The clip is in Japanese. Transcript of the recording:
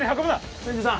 千住さん